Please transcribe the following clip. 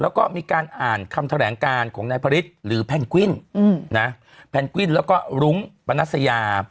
แล้วก็มีการอ่านคำแถลงการของนายพระฤทธิ์หรือแพนกวินแพนกวินแล้วก็รุ้งปนัสยา